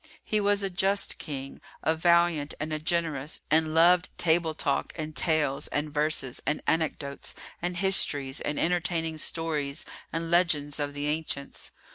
He was a just King, a valiant and a generous, and loved table talk[FN#349] and tales and verses and anecdotes and histories and entertaining stories and legends of the ancients.